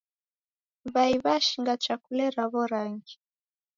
W'ai w'ashinga chakule raw'o rangi.